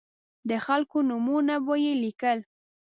د خلکو نومونه به یې لیکل.